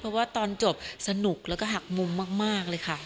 เพราะว่าตอนจบสนุกแล้วก็หักมุมมากเลยค่ะ